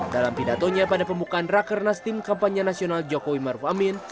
dalam pidatonya pada pembukaan rakernas tim kampanye nasional jokowi maruf amin